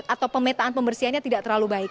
atau pemetaan pembersihannya tidak terlalu baik